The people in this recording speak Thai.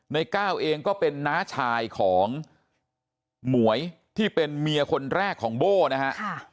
ในก้าวเองก็เป็นน้าชายของหมวยที่เป็นเมียคนแรกของโบ้นะฮะ